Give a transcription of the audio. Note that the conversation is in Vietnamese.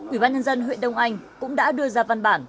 ủy ban nhân dân huyện đông anh cũng đã đưa ra văn bản